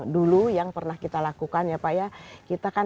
dulu yang pernah kita lakukan ya pak ya kita kan